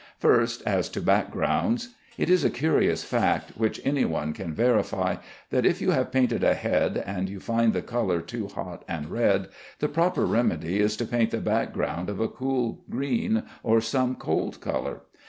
First, as to backgrounds. It is a curious fact, which any one can verify, that if you have painted a head and you find the color too hot and red, the proper remedy is to paint the background of a cool green or some cold color.